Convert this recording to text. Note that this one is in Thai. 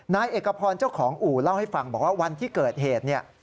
นายเอกพรเจ้าของอู่เล่าให้ฟังบอกว่าวันที่เกิดเหตุเนี่ย